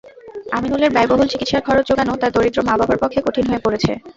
আমিনুলের ব্যয়বহুল চিকিৎসার খরচ জোগানো তাঁর দরিদ্র মা-বাবার পক্ষে কঠিন হয়ে পড়েছে।